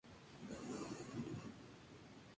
Cuatro largos estambres sobresalen de la fragante flor.